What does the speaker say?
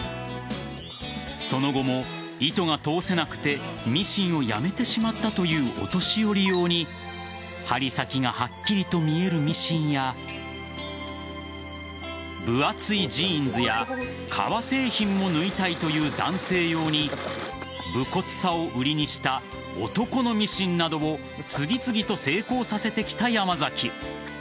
その後も、糸が通せなくてミシンを辞めてしまったというお年寄り用に針先がはっきりと見えるミシンや分厚いジーンズや革製品も縫いたいという男性用に無骨さを売りにした男のミシンなどを次々と成功させてきた山崎。